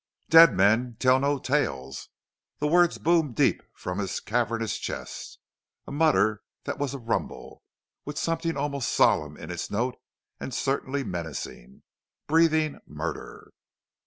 "DEAD MEN TELL NO TALES!" The words boomed deep from his cavernous chest, a mutter that was a rumble, with something almost solemn in its note and certainly menacing, breathing murder.